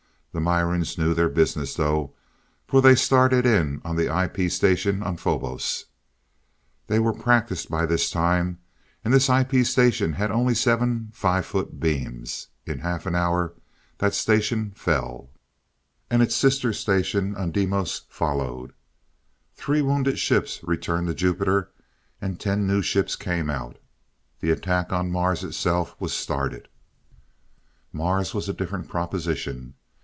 The Mirans knew their business though, for they started in on the IP station on Phobos. They were practiced by this time, and this IP station had only seven five foot beams. In half an hour that station fell, and its sister station on Deimos followed. Three wounded ships returned to Jupiter, and ten new ships came out. The attack on Mars itself was started. Mars was a different proposition.